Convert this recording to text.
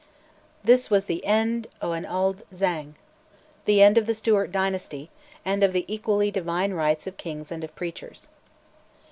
This was "the end o' an auld sang," the end of the Stuart dynasty, and of the equally "divine rights" of kings and of preachers.